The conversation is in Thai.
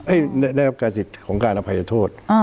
ได้รับการสิทธิ์ของการอภัยโทษ